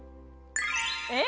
えっ？